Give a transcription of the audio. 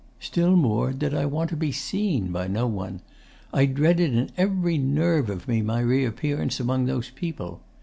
Still more did I want to be seen by no one. I dreaded in every nerve of me my reappearance among those people.